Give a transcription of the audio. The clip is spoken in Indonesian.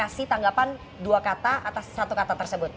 kasih tanggapan dua kata atas satu kata tersebut